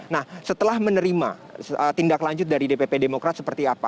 nah setelah menerima tindak lanjut dari dpp demokrat seperti apa